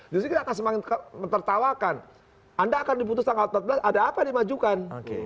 justru kita akan semakin tertawakan anda akan diputus tanggal empat belas ada apa dimajukan